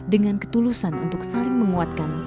dengan ketulusan untuk saling menguatkan